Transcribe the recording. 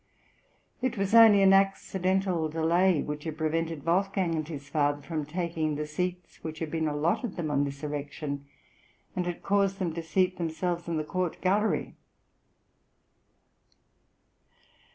It was only an accidental delay which had prevented Wolfgang and his father from taking the seats which had been allotted them on this {THE ITALIAN TOUR.} (138) erection, and had caused them to seat themselves in the court gallery.